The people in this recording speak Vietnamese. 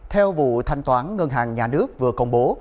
theo vụ thanh toán ngân hàng nhà nước vừa công bố